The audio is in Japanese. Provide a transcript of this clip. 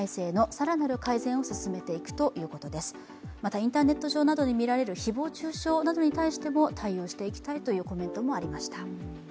インターネット上などで見られる誹謗中傷に対しても対応していきたいというコメントもありました